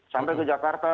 sampai ke jakarta